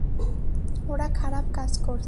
ওরা খারাপ কাজ করছে।